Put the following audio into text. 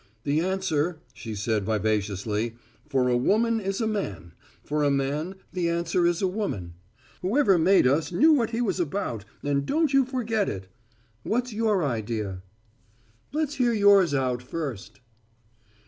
"The answer," she said vivaciously, "for a woman is a man; for a man the answer is a woman. Whoever made us knew what he was about, and don't you forget it. What's your idea?" "Let's hear yours out first."